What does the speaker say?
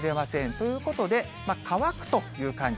ということで、乾くという感じ。